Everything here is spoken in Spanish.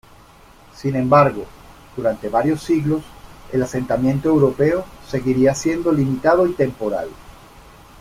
Sin embargo, durante varios siglos, el asentamiento europeo seguiría siendo limitado y temporal.